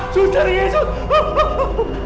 suaranya kok kunci